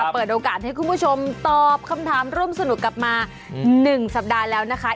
เปิดโอกาสให้คุณผู้ชมตอบคำถามร่วมสนุกกลับมา๑สัปดาห์แล้วนะคะ